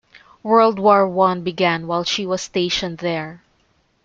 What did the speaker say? World War One began while she was stationed there.